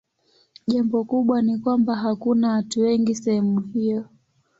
Jambo kubwa ni kwamba hakuna watu wengi sehemu hiyo.